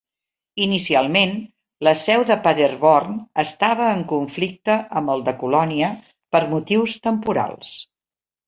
Inicialment, la seu de Paderborn estava en conflicte amb el de Colònia per motius temporals.